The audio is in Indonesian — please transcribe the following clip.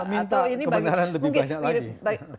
minta kebenaran lebih banyak lagi